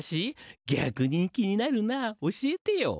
ぎゃくに気になるな教えてよ。